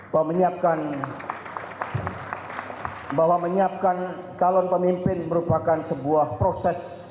bahwa menyiapkan talon pemimpin merupakan sebuah proses